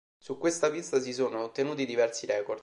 Su questa pista si sono ottenuti diversi record.